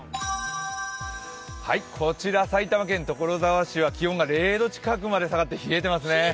こちら埼玉県所沢市は気温が０度近くまで下がって冷えてますね。